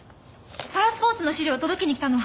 パラスポーツの資料届けに来たの。